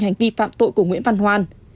hành vi phạm tội của nguyễn văn hoan